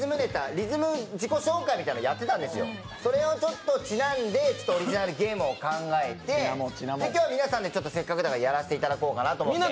リズム自己紹介をやってたんですよ、それにちなんでオリジナルゲームを考えて今日は皆さんでせっかくだからやらせていただこうかなと思って。